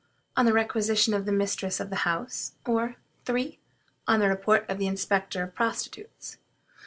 On the requisition of the mistress of a house; or, 3. On the report of the inspector of prostitutes.